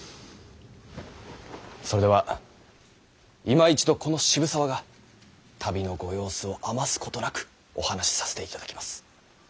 それではいま一度この渋沢が旅のご様子を余すことなくお話しさせていただきます。